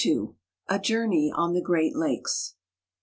XXII. A JOURNEY ON THE GREAT LAKES.